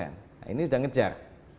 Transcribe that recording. nah ini udah ngejar